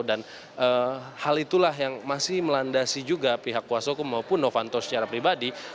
dan hal itulah yang masih melandasi juga pihak kuasa hukum maupun novanto secara pribadi